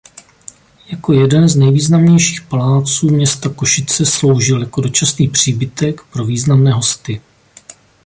Jako jeden z nejvýznamnějších paláců města Košice sloužil jako dočasný příbytek pro významné hosty.